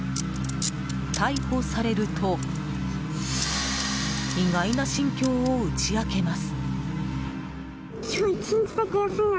逮捕されると意外な心境を打ち明けます。